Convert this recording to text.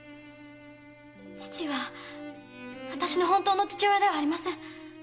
父はあたしの本当の父親ではありません。